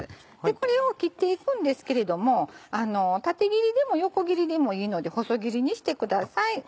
これを切っていくんですけれども縦切りでも横切りでもいいので細切りにしてください。